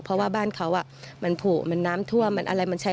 เพราะว่าบ้านเขามันผูมันน้ำท่วมมันอะไรมันใช้